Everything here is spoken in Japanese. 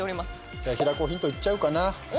じゃあ、平子ヒントいっちゃおうかな。